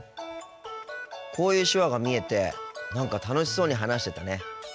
こういう手話が見えて何か楽しそうに話してたね。